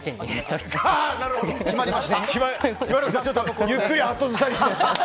決まりました！